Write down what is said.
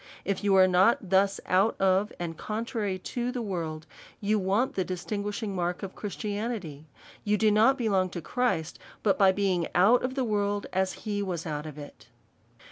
If you are not thus out of, and contrary to the world, you want the distinguishing mark of Christianity ; you do not belong to Christ, but by being out of tlie world as he was out of it.